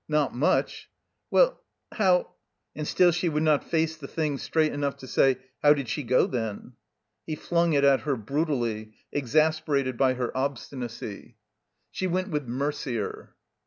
Not much!" "Wen— how— " And still she would not face the thing straight enough to say, "How did she go, then?" He flxmg it at her brutally, eicasperated by her obstinacy. 260 THE COMBINED MAZE "She went with Merder."